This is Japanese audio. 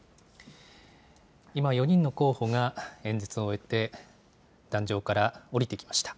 今、４人の候補が演説を終えて、壇上から降りてきました。